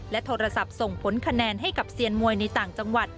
โทรศัพท์ส่งผลคะแนนให้กับเซียนมวยในต่างจังหวัด